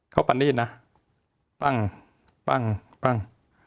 เขาปันนี่นะปั้ง